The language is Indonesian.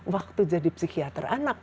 waktu jadi psikiater anak